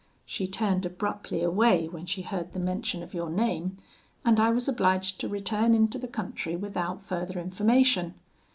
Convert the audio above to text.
She turned abruptly away when she heard the mention of your name, and I was obliged to return into the country without further information.